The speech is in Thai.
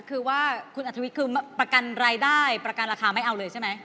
คือว่าคุณอัธวิทย์คือประกันรายได้ประกันราคาไม่เอาเลยใช่ไหม